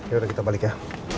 yaudah kita balik ya